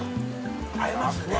合いますね。